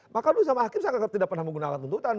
maka dulu sama hakim sangat tidak pernah menggunakan tuntutan